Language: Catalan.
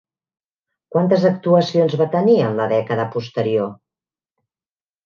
Quantes actuacions va tenir en la dècada posterior?